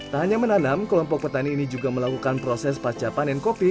tak hanya menanam kelompok petani ini juga melakukan proses pasca panen kopi